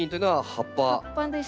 葉っぱですね。